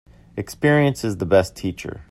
Experience is the best teacher.